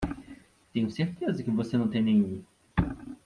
Tenho certeza que você não tem nenhum.